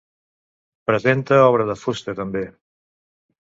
Presenta obra de fusta també.